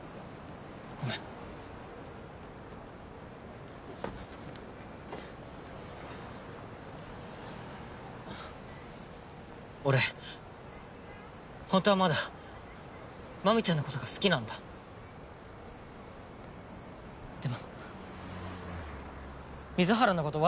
ごめん俺本当はまだ麻美ちゃんのことが好きなんだでも水原のこと